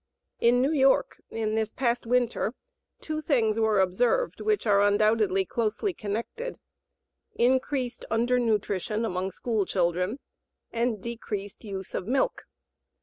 In New York in this past winter, two things were observed which are undoubtedly closely connected increased undernutrition among school children, and decreased use of milk.